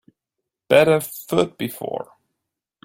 Better foot before